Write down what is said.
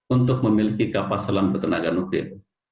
untuk memiliki kapal selam bertenaga nuklir